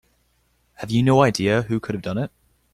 Have you no idea who could have done it?